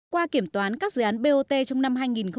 qua kiểm toán các dự án bot trong năm hai nghìn một mươi chín